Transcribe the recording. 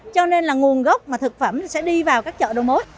cho nên là nguồn gốc mà thực phẩm sẽ đi vào các chợ đầu mối